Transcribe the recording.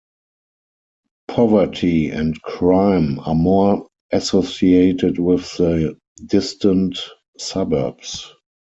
Poverty and crime are more associated with the distant suburbs.